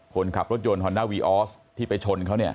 คนขับรถยนต์ฮอนด้าวีออสที่ไปชนเขาเนี่ย